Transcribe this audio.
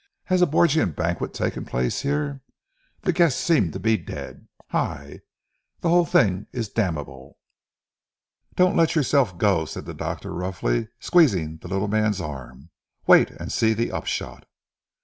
"Has a Borgian banquet taken place here? The guests seem to be dead. Hai! the whole thing is damnable." "Don't let yourself go," said the doctor roughly squeezing the little man's arm, "wait and see the upshot."